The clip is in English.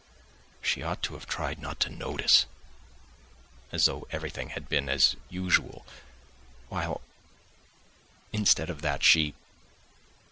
She ought to have tried not to notice, as though everything had been as usual, while instead of that, she